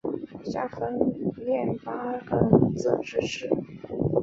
下分廿八个自治市。